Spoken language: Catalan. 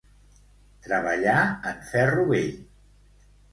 Treballar en ferro vell.